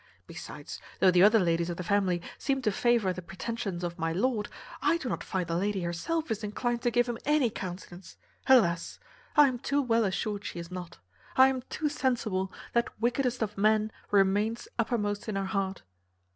Besides, though the other ladies of the family seem to favour the pretensions of my lord, I do not find the lady herself is inclined to give him any countenance; alas! I am too well assured she is not; I am too sensible that wickedest of men remains uppermost in her heart."